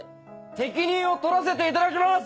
責任を取らせていただきます！